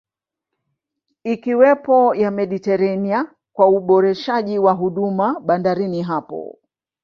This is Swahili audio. Ikiwemo ya Mediterania kwa uboreshaji wa huduma bandarini hapo